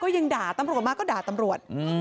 ยังด่าตำรวจมาก็ด่าตำรวจ